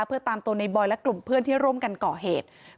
เพื่อตามตัวในบอยและกลุ่มเพื่อนที่ร่วมกันก่อเหตุ